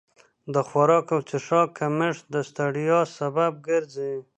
د خوراک او څښاک کمښت د ستړیا سبب ګرځي.